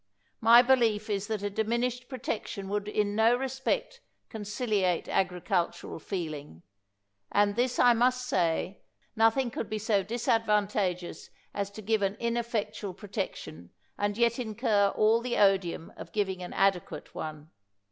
My belief is that a diminished protection would in no respect conciliate agricultural feeling ; and this I must say, nothing could be so disadvan tageous a« to give an ineffectual protection and yet incur all the odium of giving an adequate one.